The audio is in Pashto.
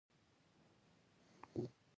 نوې ورځ د تغیر فرصت دی